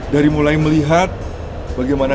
dari mulai melihat bagaimana